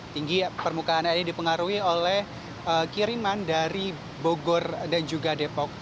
tinggi permukaan air ini dipengaruhi oleh kiriman dari bogor dan juga depok